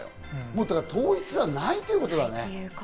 もう統一はないということだね。